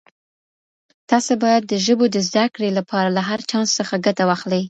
تاسي باید د ژبو د زده کړې لپاره له هر چانس څخه ګټه واخلئ.